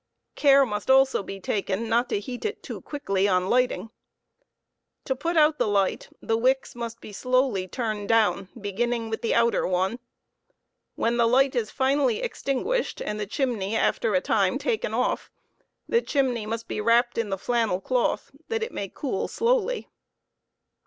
Care must also be taken not to heat it too quickly on lighting. To put out the light, the wicks must be slowly turned down, beginning with the outer one. When the light is finally extinguished and the chimney after a time taken off, the chimney must be wrapped in the flannel cloth, that it may cool slowly.